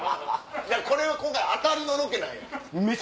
じゃあ今回当たりのロケなんや。